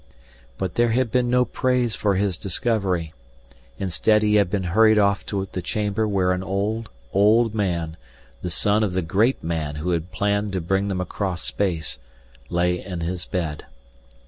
But there had been no praise for his discovery. Instead he had been hurried off to the chamber where an old, old man, the son of the Great Man who had planned to bring them across space, lay in his bed.